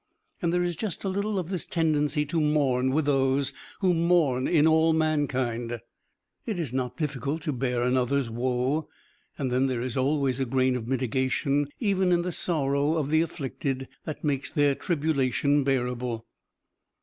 And there is just a little of this tendency to mourn with those who mourn in all mankind. It is not difficult to bear another's woe and then there is always a grain of mitigation, even in the sorrow of the afflicted, that makes their tribulation bearable.